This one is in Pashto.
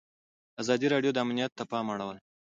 ازادي راډیو د امنیت ته پام اړولی.